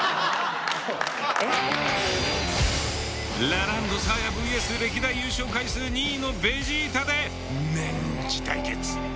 ラランドサーヤｖｓ歴代優勝回数２位のベジータでメンチ対決。